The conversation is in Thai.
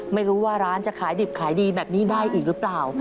ไม่รู้ว่าร้านจะขายดิบขายดีแบบนี้ได้อีกหรือเปล่า